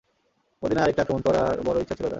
মদীনায় আরেকটি আক্রমণ করার বড় ইচ্ছা ছিল তার।